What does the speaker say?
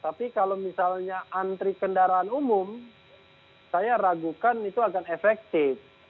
jadi kalau misalnya antri kendaraan umum saya ragukan itu akan efektif